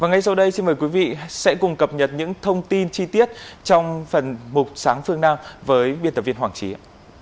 hãy đăng ký kênh để nhận thêm thông tin nhé